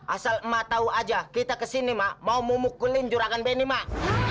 asal emak tahu aja kita kesini mak mau memukulin juragan benny mak